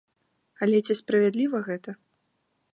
Але ці справядліва гэта?